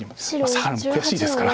サガリも悔しいですから。